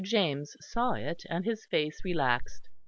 James saw it and his face relaxed.